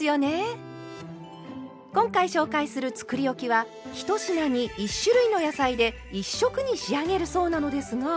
今回紹介するつくりおきは１品に１種類の野菜で１色に仕上げるそうなのですが。